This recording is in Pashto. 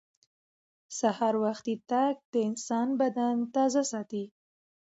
سهار وختي تګ د انسان بدن تازه ساتي